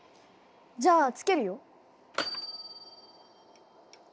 じゃあつけるよ。